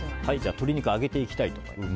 鶏肉を揚げていきたいと思います。